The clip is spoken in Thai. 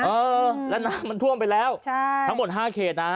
เออแล้วน้ำมันท่วมไปแล้วทั้งหมด๕เขตนะ